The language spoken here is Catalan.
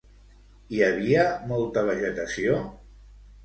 Hi havia molta vegetació?